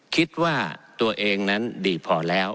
คิดว่าตัวเองนั้นดีพอแล้ว